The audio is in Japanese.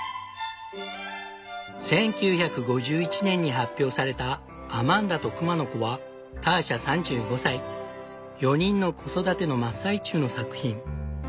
１９５１年に発表された「アマンダとくまの子」はターシャ３５歳４人の子育ての真っ最中の作品。